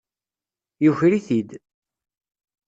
Yuker-it-id.